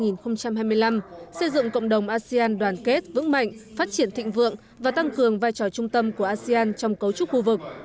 năm hai nghìn hai mươi năm xây dựng cộng đồng asean đoàn kết vững mạnh phát triển thịnh vượng và tăng cường vai trò trung tâm của asean trong cấu trúc khu vực